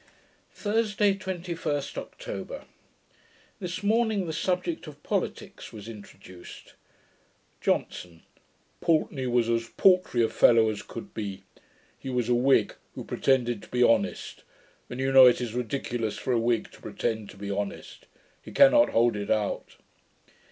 Thursday, 21st October This morning the subject of politicks was introduced. JOHNSON. 'Pulteney was as paltry a fellow as could be. He was a Whig, who pretended to be honest; and you know it is ridiculous for a Whig to pretend to be honest. He cannot hold it out.'